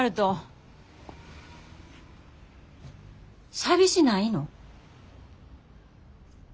寂しないの？